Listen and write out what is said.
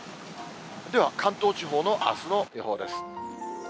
では関東地方のあすの予報です。